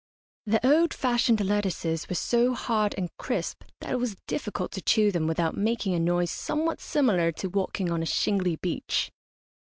The old fashioned lettuces were so hard and crisp that it was difficult to chew them without making a noise somewhat similar to walking on a shingly beach.